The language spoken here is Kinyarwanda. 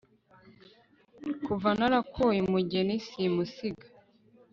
kuva narakoye, umugeni simusiga